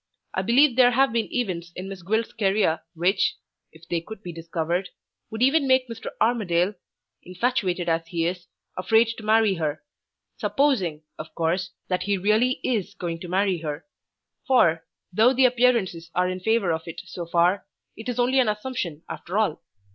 I believe there have been events in Miss Gwilt's career which (if they could be discovered) would even make Mr. Armadale, infatuated as he is, afraid to marry her supposing, of course, that he really is going to marry her; for, though the appearances are in favor of it so far, it is only an assumption, after all.